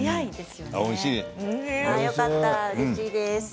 よかったうれしいです。